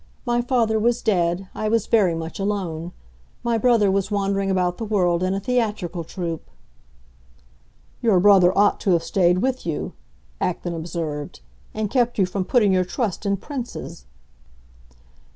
My father was dead; I was very much alone. My brother was wandering about the world in a theatrical troupe." "Your brother ought to have stayed with you," Acton observed, "and kept you from putting your trust in princes."